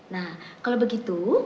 nah kalau begitu